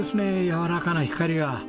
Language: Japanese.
やわらかな光が。